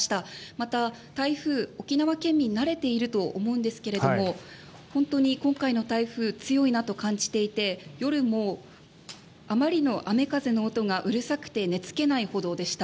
また、台風に沖縄県民は慣れていると思うんですけども本当に今回の台風は強いなと感じていて夜もあまりの雨風の音がうるさくて寝付けないほどでした。